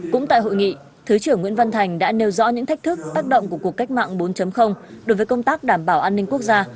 cũng tại hội nghị thứ trưởng nguyễn văn thành đã nêu rõ những thách thức tác động của cuộc cách mạng bốn đối với công tác đảm bảo an ninh quốc gia